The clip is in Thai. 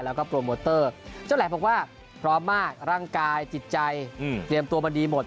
แล้วก็โปรโมเตอร์เจ้าแหลมบอกว่าพร้อมมากร่างกายจิตใจเตรียมตัวมาดีหมด